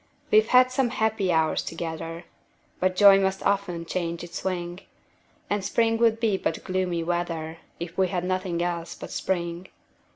We've had some happy hours together, But joy must often change its wing; And spring would be but gloomy weather, If we had nothing else but spring.